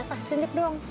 kasih nunjuk doang